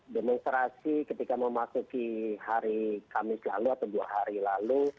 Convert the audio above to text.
demonstrasi ketika memasuki hari kamis lalu atau dua hari lalu